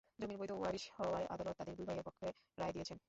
জমির বৈধ ওয়ারিশ হওয়ায় আদালত তাঁদের দুই ভাইয়ের পক্ষে রায় দিয়েছেন।